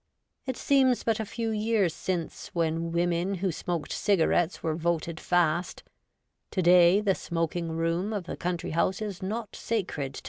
It seems but a few years since when women who smoked cigarettes were voted fast : to day, the smoking room of the country house is not sacred to 14 REVOLTED WOMAN.